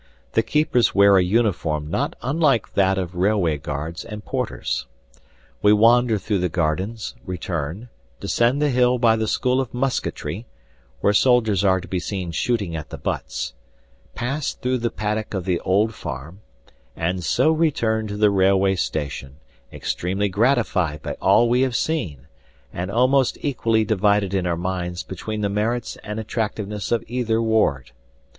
The keepers wear a uniform not unlike that of railway guards and porters. We wander through the gardens, return, descend the hill by the school of musketry, where soldiers are to be seen shooting at the butts, pass through the paddock of the old farm, and so return to the railway station, extremely gratified by all we have seen, and almost equally divided in our minds between the merits and attractiveness of either ward.